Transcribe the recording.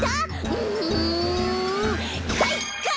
うんかいか！